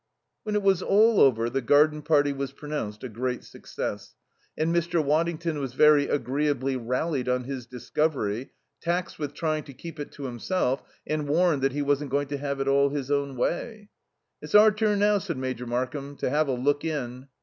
When it was all over the garden party was pronounced a great success, and Mr. Waddington was very agreeably rallied on his discovery, taxed with trying to keep it to himself, and warned that, he wasn't going to have it all his own way. "It's our turn now," said Major Markham, "to have a look in."